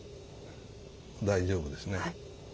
大丈夫ですね。